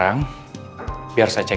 jangan nanya mau saya tahu